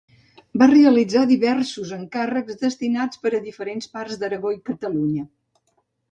Va realitzar diversos encàrrecs destinats per a diferents parts d'Aragó i Catalunya.